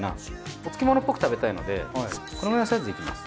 お漬物っぽく食べたいのでこのくらいのサイズでいきます。